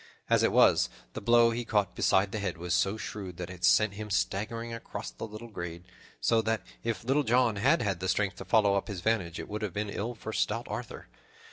As it was, the blow he caught beside the head was so shrewd that it sent him staggering across the little glade, so that, if Little John had had the strength to follow up his vantage, it would have been ill for stout Arthur.